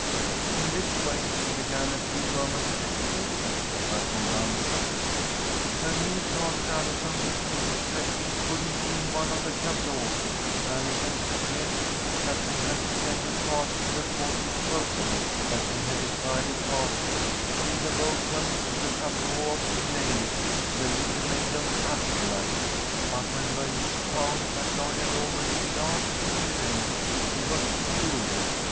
"It's this way," she began a few moments later, as they rattled down the road; "Bernice asked Allison if Mister Shelby couldn't be in one of the tableaux. Allison said yes, that they had intended to ask him before she spoke of it; that they had decided to ask him to be the boatman in the tableau of 'Elaine, the Lily Maid of Astolat.' But when Bernice found that Lloyd had already been asked to be Elaine, she was furious.